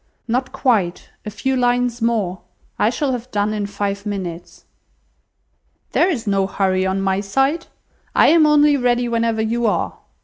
"Not quite, a few lines more. I shall have done in five minutes." "There is no hurry on my side. I am only ready whenever you are.